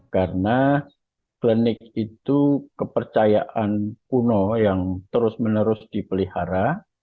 karena lenik itu kepercayaan puno yang terus menerus dipelihara